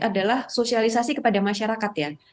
adalah sosialisasi kepada masyarakat ya